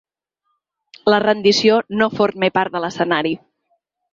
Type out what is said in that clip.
La rendició no forma part de l’escenari.